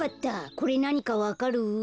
これなにかわかる？